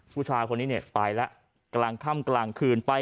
ผู้ชายคนนี้เนี่ยไปแล้วกลางค่ำกลางคืนไป